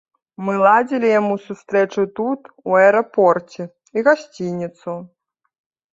Мы ладзілі яму сустрэчу тут, у аэрапорце, і гасцініцу.